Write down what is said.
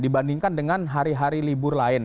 dibandingkan dengan hari hari libur lain